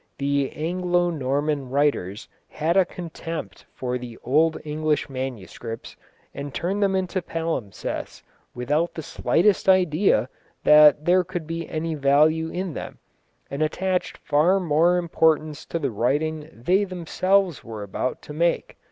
The Anglo Norman writers had a contempt for the old English manuscripts, and turned them into palimpsests without the slightest idea that there could be any value in them, and attached far more importance to the writing they themselves were about to make.